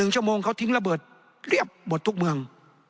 ชั่วโมงเขาทิ้งระเบิดเรียบหมดทุกเมือง